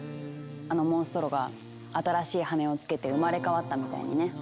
あのモンストロが新しい羽をつけて生まれ変わったみたいにね。